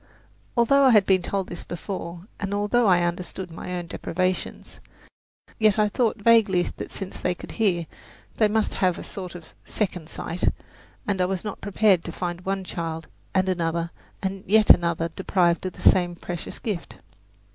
Although I had been told this before, and although I understood my own deprivations, yet I had thought vaguely that since they could hear, they must have a sort of "second sight," and I was not prepared to find one child and another and yet another deprived of the same precious gift.